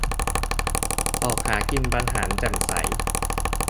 "ออกหากินบรรหารแจ่มใส"